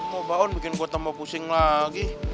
mau baon bikin gue tambah pusing lagi